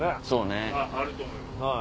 そうね。